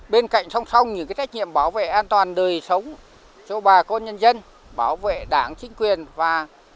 bên cạnh song song những trách nhiệm bảo vệ an toàn đời sống cho bà con nhân dân bảo vệ đảng chính quyền và